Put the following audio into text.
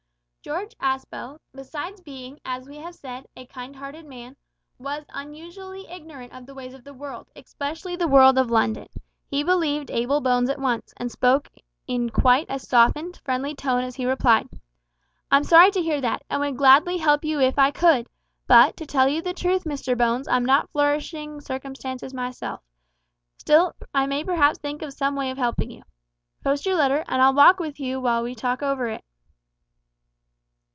George Aspel, besides being, as we have said, a kind hearted man, was unusually ignorant of the ways of the world, especially the world of London. He believed Abel Bones at once, and spoke in quite a softened, friendly tone as he replied "I'm sorry to hear that, and would gladly help you if I could, but, to tell you the truth, Mr Bones, I'm not in flourishing circumstances myself. Still, I may perhaps think of some way of helping you. Post your letter, and I'll walk with you while we talk over it."